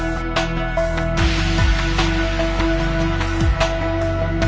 สวัสดีครับสวัสดีครับ